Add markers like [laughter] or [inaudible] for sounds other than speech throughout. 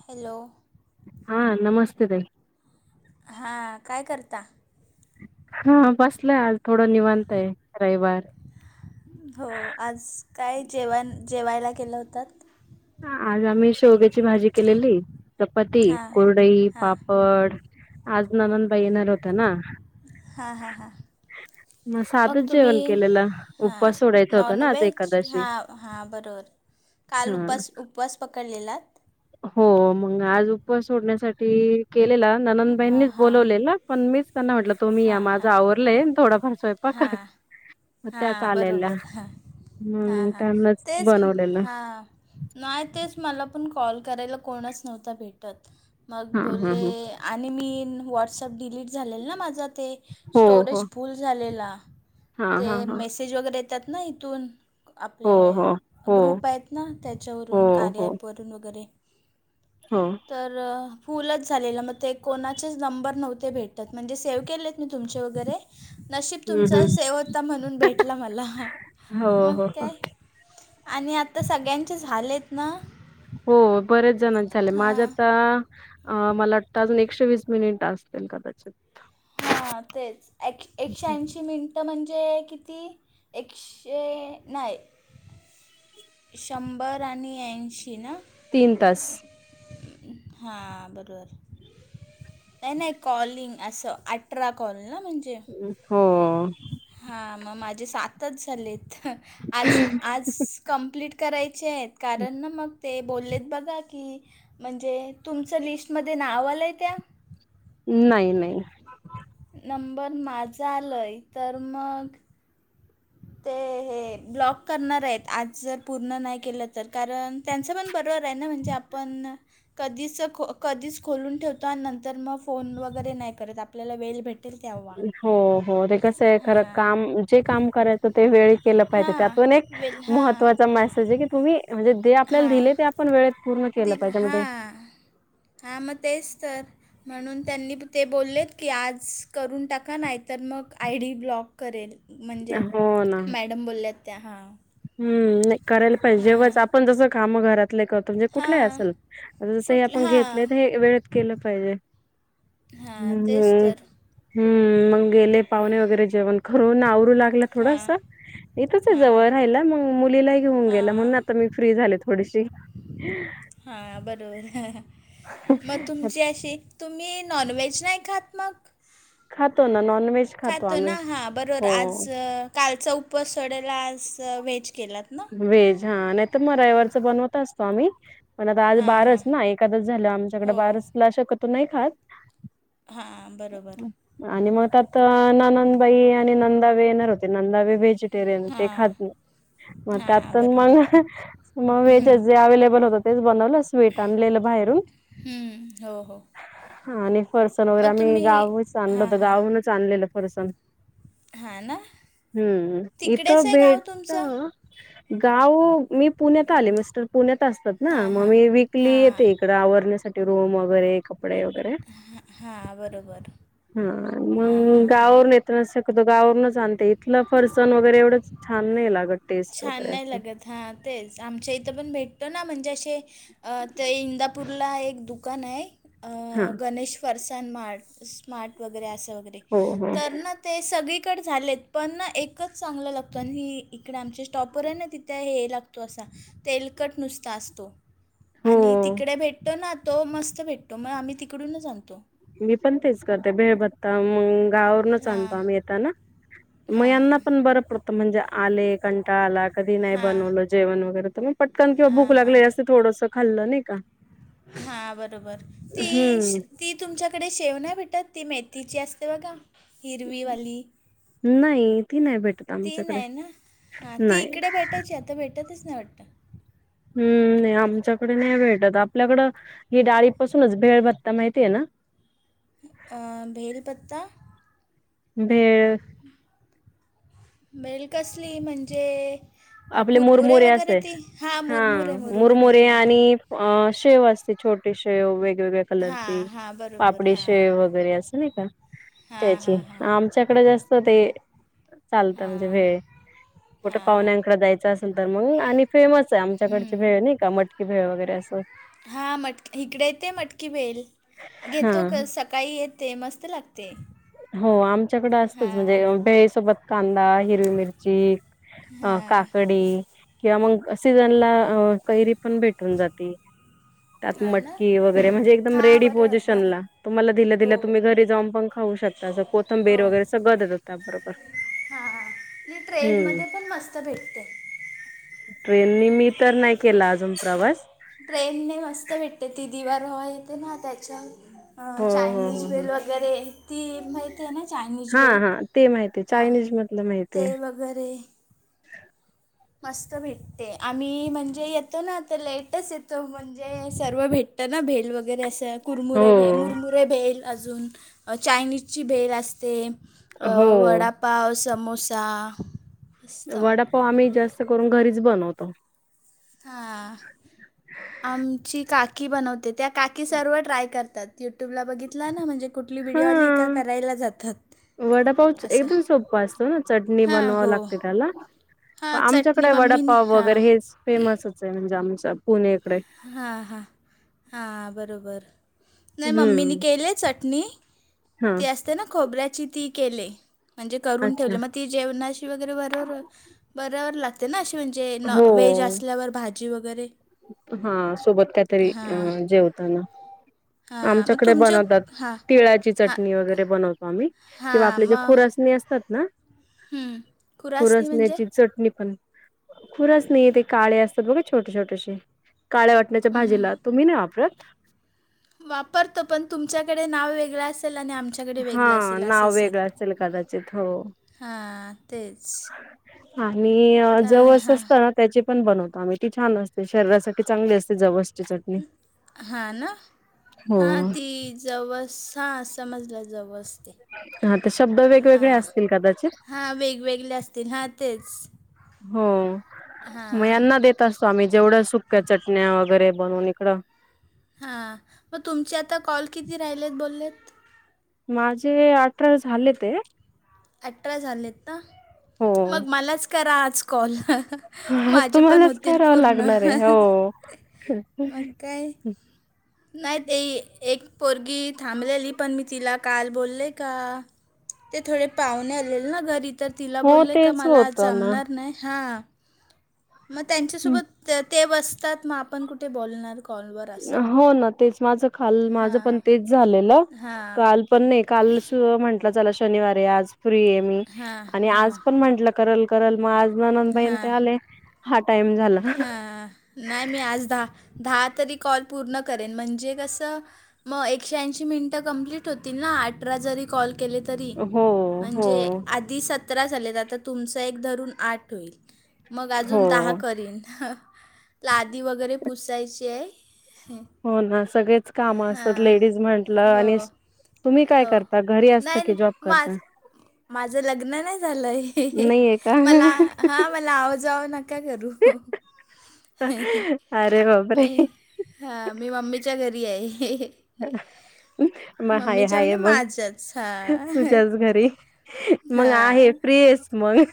Hello हां नमस्ते ताई हा काय करता बसलोय आज थोडं निवांत आहे, रविवार हो आज काय जेवाण जेवायला केला होतात आज आम्ही शेवग्याची भाजी केलेली, चपाती हां कुरडई हां पापड आज नंणदबाई येणार होता ना हा हा हा मग साधच तुम्ही जेवण केलेलं हां उपवास सोडायचा होता नॉन ना आज व्हेज एकादशी हा हां बरोबर काल हा उपास उपवास पकडलेला हो मग आज उपवास सोडण्यासाठी केलेला हां ननंदबाईंनीच हां बोलावले पण मीच त्यांना म्हटलं तुम्ही या हां माझं हां आवरलंय थोडं फार स्वयंपाक मग त्याच हा आलेल्या बरोबर हा हा हम्म हा त्यांनाच तेच बनवलेलं हा नाय तेच मला पण कॉल करायला कोणच नव्हतं भेटत मग हा हा बोलले हा आणि मी व्हॉट्सअप डिलीट झालेलं ना माझं ते हो हो स्टोरेज फुल्ल झालेला हा हा ते हा मॉसेज वगैरे येतात ना इथून हो, आपले हो, हो, ग्रुप आहेत ना त्यांच्यावरून हो, कार्या हो, ॲप वरून वगैरे हो तर फुल्लच झालेलं मग ते कोणाचेच नंबर नव्हते भेटत, म्हणजे सेव्ह केले. तुमचे वगैरे नशीब हं, तुमचं हं. शेवटचं म्हणून भेटलं मला, हो मग हो हो काय आणि आता सगळ्यांचे झालेत ना हो बरेच जणांचे झाले माझे हां आता अ मला [inaudible] एकशे वीस मिनिटं असतील कदाचित हा तेच एक एकशे ऐंशी मिनिटं म्हणजे किती एकशे नाही शंभर आणि ऐंशी ना तीन तास हा बरोबर नाही, नाही कॉलिंग असं अठरा कॉल ना म्हणजे होतो हा मग माझे सातच झालेत आज आज कंप्लीट करायचे आहेत कारण ना मग ते बोललेत बघा की म्हणजे तुमचं लिस्टमध्ये नाव आलंय त्या नाही नाही नंबर माझा आलाय तर मग ते हे ब्लॉक करणार आहेत आज जर पुर्ण नाही केलं तर कारण त्यांच पण बरोबर आहे ना म्हणजे आपण कधीच खो कधीच खोलून ठेवतो आणि नंतर मग फोन वगैरे नाही करत आपल्याला वेळ भेटेल तेव्हा हो हो ते कसं आहे खरं हां काम जे काम करायचं ते होत केलं पाहिजे हां त्यातून एक वेल हां महत्त्वाचा मेसेज आहे की तुम्ही रोज जे आपल्याला हां दिले ते आपण वेळेत पूर्ण केलं दिल पाहिजे त्यामध्ये हां हां मग तेच तर म्हणून त्यांनी ते बोललेत की आज करून टाका नाही तर मग आय डी ब्लॉक करेल म्हणजे हो मॅडम बोलल्यात त्या हां हम् नाही करायला पाहिजे हां उगच आपण जसं काम घरात तले करतो म्हणजे कुठलेही हां असेल. जसं हे कुठलं आपण घेतलंय हां तर हे वेळेत केलं पाहिजे. हां हम् तेच हो तर हम्म मग गेले पाहुणे वगैरे जेवण करून. आवरू लागलं. हां थोडसं, येथेच आहे हां जवळ. हां राहिला. मग मुलीला ही घेऊन गेला. म्हणून आता मी फ्री झाले थोडीशी. हा बरोबर हा मग तुमची अशी. तुम्ही नॉनव्हेज नाही खात मग. खातो ना नॉन व्हेज. खातो ना हा बरोबर. हो आज कालचा उपवास सोडायला आज व्हेज केलात ना. व्हेज हा. नाही तर मग रविवारचं बनवत असतो आम्ही. पण आता आज हां हां बारस ना एकादस झाल्यावर आमच्याकडे हो बारसला शक्यतो नाही खात. हां बरोबर. आणि मग त्यात ननंदबाई आणि नंदा बी येणार होत्या. नंदाबी व्हेज- व्हेजिटेरियन हां त्या खात नाही. मग त्यात हां पण मग बरोबर मग व्हेजच. जे अव्हेलेबल होतं तेच बनवलं स्वीट आणलेलं बाहेरून. हम्म हो हो. हो फरसाण वगैरे मग आम्ही तुम्ही गावाहुनच आणलं हां होतं. हां गावाहूनच आणलेलं फरसाण. हां ना हम्म तिकडेच इथं आहे गाव तुमचं भेटतं. गाव मी पुण्यात आले मिस्टर पुण्यात असतात ना हां मग हां मी वीक ली हां येते. इकडे आवरण्यासाठी रूम वगैरे कपडे. वगैरे हा हा बरोबर हा हा हम तर शक्यतो गावावरूनच आणते. इथलं फरसाण वगैरे एवढंच छान नाही लागत टेस्ट छान वगैरे नाही असं लगत हा तेच. आमच्या इथं पण भेटतो ना म्हणजे असे ते इंदा- पूरला एक दुकान आहे. अ हा गणेश, फरसान मार्ट स्मार्ट वगैरे असं वगैरे. हो हो तर ना ते सगळीकडे झालेत. पण ना एकच चांगलं लागतं. म ही इकडे आमच्या स्टॉपवर आहे ना तिथे हे लागतो असा तेलकट नुसता असतो. हो आणि तिकडे भेटतो ना तो मस्त भेटतो. मग आम्ही तिकडूनच आणतो. मी पण तेच करते भेळभत्ता मग गावा वरुनच आणतो हां आम्ही येताना, म हां यांना पण बरंच पडत म्हणजे आले कंटाळा आला. कधी नाही हां बनवल जेवण वगैरे तर म पटकन किंवा भूक लागले असं थोडस खाल्ल नाही का हा बरोबर, तेश हम्म ती तुमच्याकडे शेव नाही भेटत ती मेथीची असते बघा, हिरवी वाली? नाही ती नाही भेटत आमच्याकडे, ना हां ती नाय. इकडे भेटायची आता भेटतच नाही वाटतं. हम्म नाही आमच्याकड नाही भेटतं आपल्याकडं, ही डाळीपासूनच भेळभत्ता माहिती आहे ना? अं भेल पत्ता. भेळ. भेल कसली म्हणजे अ आपले कुरमुुरे मुरमुरे वगैरे असे ती, हा मुरमुुरे मुरमुरे हा हा. अ शेव असते छोटी शेव वेगवेगळे कलरची, हां हां बरोबर हां पापडीशेव वगैरे असं नाही का? हां त्याची हां हां आमच्याकडं जास्त ते चालत म्हणजे हां भेळ, कुठ हां हां पाहुण्याक कड द्यायचं असेल तर मग आणि फेमस आहे आमच्याकडची हम्म. भेळ नाही का मटकी भेळ वगैरे असं. हा मटकी इकडे येते मटकी भेल, घेतो हा कस क काही येते मस्त लागते. हो आमच्याकडे असतंच हां म्हणजे भेळीसोबत कांदा हे हिरवी मिरची, अ हां काकडी, किंवा मग सिजनला अ कैरी पण भेटून जाती. त्यात हां ना मटकी वगैरे म्हणजे एकदम हां रेडी बरोबर पोझिशन हां ला. तुम्हाला दिल्या हो दिल्या तुम्ही घरी जाऊन पण खाऊ शकता असं कोथंबीर वगैरे सगंळ देतात त्या बरोबर. हा, मी ट्रेन मध्ये पण मस्त भेटते. ट्रेननी मी तर नाही केला अजून प्रवास. ट्रेनने मस्त भेटते ती दिवा रोवा येते ना त्याच्यात ह हो हो हो चायनीज हो भेल वगैरे. ती माहिते आहे ना चायनीज हा भेल, हा ते माहिती हा, चायनीज मधलं माहिती आहे. ते वगैरे. मस्त भेटते आम्ही म्हणजे येतोना तर लेटच येतो म्हणजे सर्व भेट त ना भेल वगैरे असं. हो कुरमुुरे भे मुरमुुरे भेल अजून, अ चायनीजची भेल असते. अ हो वडापाव, समोसा. मस्त वडापाव आम्ही जास्त करून घरीच बनवतो. हा, आमची का की बनवते त्या काकी सर्व ट्राय करतात युट्यूबला बघि बघीतला ना म्हणजे कुठली व्हिडिओ आली का करायला जातात. वडापावच असं एकदम सोपा असतो न चटणी हां बनवावं हो लागते त्याला. हां चटणी आमच्याकडे मम्मीनी वडापाव हां वगैरे हेच, फेमसच आहे म्हणजे आमच्या पुणेकडे. हा हा, हा बरोबर, नाही मम्मीने हम्म केलीये चटणी. हा ती असते ना खोबऱ्याची ती केले, म्हणजे करून अच्छा ठेवले म ती जेवणाशी वगैरे बरोबर, बरोबर लागते ना अशी म्हणजे न हो व्हेज असल्यावर भा भाजी वगैरे. हा सोबत काहीतरी अ हां जेवताना, हां मग आमच्याकडे तुमच्या बनवतात. हां तिळाची हां चटणी वगैरे बनवतो आम्ही, किंवा हां आपले जे मग खुरासणी असतात ना. कुरासनी म्हणजे परसण्याची चटणी पण, खुरसने ते काळे असतात बघा छोटे छोटेसे. काळ्या वाटण्याच्या भाजीला तुम्ही नाही वापरत. वापरतो पण तुमच्याकडे नाव वेगळं असेल आणि आमच्या कडे. आमच्याकडे हा वेगळ असेल अस नाव असेल वेगळं कदाचित हो हा तेच. आम्ही तर जवस हां असतात. त्याची पण बनवतो आम्ही ती छान असते शरीरासाठी चांगली असते जवस. हांन हां ती जवस. हा समजल जवस ते. हा ते शब्द वेगवेगळे हां असतील कादाचित. हां वेगवेगळे असतील हां तेच हो मग हां यांना देत असतो आम्ही जेवढं सुख्या चटण्या वगैरे बनून इकडं. हा मग तुमची आता कॉल किती राहिलेत बोल्ले. माझे अठरा झाले ते, अठरा झालेत ना, हो. मग मलाच करा आज कॉल. आज माझे पण तुम्हालाच होतील करावं पूर्ण लागणार आहे हो. मग काय. नाही ते एक पोरगी थांबलेली पण मी तिला काल बोलले का. ते थोडे पाहुणे आलेला ना घरी तर तिला हो बोलले का तेच मला आज होतं ना. जमणार नाही. हा- मग त्यांच्यासोबत ते बसतात मग आपण कुठे बोलणार. कॉलवर असं हो ना तेच माझ काल माझं पण हां तेच झालेलं. हां काल पण नाही, काल म्हंटल चला शनिवार आहे आज फ्री आहे मी हां आणि आज हां पण म्हटल करल करल मग आज नंनद बाई ते आले हा टाइम झाला हा नाही मी आज दहा दहा तरी कॉल पूर्ण करेन म्हणजे कसं मग एकशे ऐंशी मिनिटं कंप्लीट होतील ना अठरा जरी कॉल केले तरी. हो तरी हो म्हणजे आज, ती सतरा झाले, आता तुमचा एक धरून आठ होईल म अजून दहा. हो. करीन, लादी वगैरे पुसायची आहे. होना सगळेच काम असतात हां लेडीज म्हटल हो आणि तुम्ही काय हो करता घरी असता नाही की जॉब करता. माझ लग्न नाही झालंय, नाहीये का? मला हा मला आवजावं नका करू. हं आरे बापरे! मी हा मी मम्मीच्या घरी आहे. ह [inaudible] मग हाय मम्मीच्या हाय म्हणजे मग माझ्याच हा तुझ्याच घरी मग हा आहे फ्री आहेस. मग.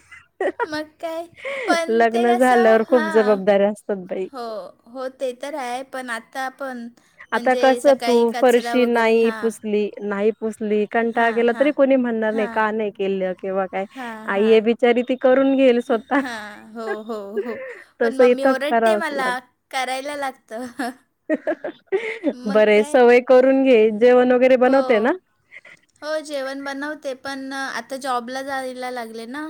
मग काय पण ते लग्न असं झाल्यावर हा, खूप जबाबदाऱ्या असतात बाई हो! हो ते तर आहे पण आता आपण, आता कस तू फरशी नाही हा पुसली, नाही पुसली हा कंटाळा केला हा तरी कोणी म्हणणार नाही हा का नाही केलं किंवा काय हा हा आई बिचारी ती, करून घेईल स्वतः हा हो हो हो पण तस मम्मी इथं ओरडते खरावच लागत. मला करायला लागतं. मग बरे काय सवय करून घे, जेवण वगैरे बनवते हो ना. हो जेवण बनवते पण आता जॉबला जायला लागले ना.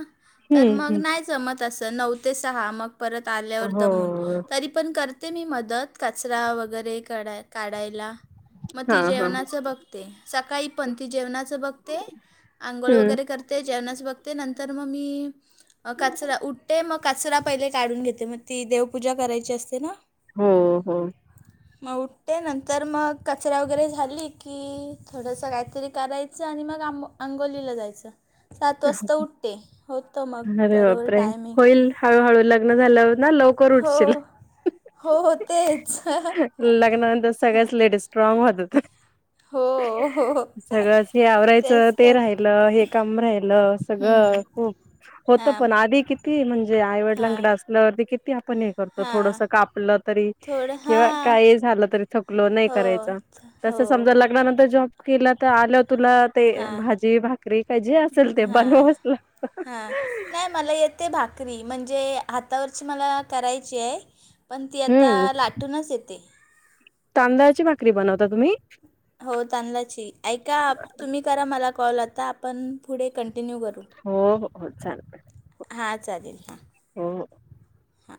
तर मग हम्म नाही जमत अस नऊ ते सहा मग परत आल्यावर हो दमून. तरी पण करते मी मदत कचरा वगैरे कढ, काढायला. मग हा ती हा जेवणाचं बघ सकाळी पण ती जेवणाच बघते, आंघोळ हम्म वगैरे कर ते जेवणाच बघते नंतर मग मी, कचरा उठते मक कचरा पहिले काढून घेते, म ती देवपूजा करायची असते ना. हो हो म उठते नंतर मग कचरा वगैरे झाडली की थोडंसं काहीतरी करायचं आणि मग आंम अंघोलीला जायचं, सात वाजता उठ ते होतं मग अरे बरोबर बापरे टायमिंग होईल, हळूहळू लग्न झाल्यावर ना लवकर हो उठशील. हो हो तेच लग्नानंतर सगळ्याच लेडीज स्ट्रांग होतात. हो हो सगळंच हे आवरायचं तेच ते तर राहिलं हे काम राहिलं हम्म. सगळं खूप होत हां पण आधी किती म्हणजे हां आईवडिलांनकड असल्यावर किती आपण हे जर थोडस हां कापलं तरी थोडं किंवा हां काहीही झालं तरी थकलो नाही हो करायच, थ- हो तसं समजा लग लग्नानंतर जॉब केला तर आल तुला ते हां भाजी, भाकरी काय जे असेल ते हां बनवावेच लागतं. हां नाही मला येते भाकरी, म्हणजे हातावरची मला करायची हाय. पण ती आता हम्म लाटूनच येते. तांदळाची भाकरी बनवता तुम्ही? हो तांदळाची, ऐका तुम्ही करा मला कॉल आता आपण पुढे कंटिन्यू करू हो हो हो चालेल हा चालेल, हां हो हां